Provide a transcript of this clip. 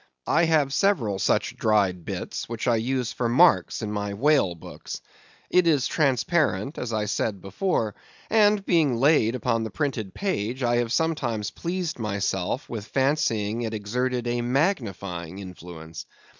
I have several such dried bits, which I use for marks in my whale books. It is transparent, as I said before; and being laid upon the printed page, I have sometimes pleased myself with fancying it exerted a magnifying influence.